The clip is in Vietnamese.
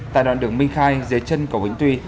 tại đoạn đường minh khai dưới chân cầu vĩnh tuy